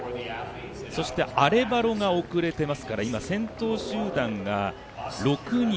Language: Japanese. そしてアレバロが後れてますから先頭集団が６人。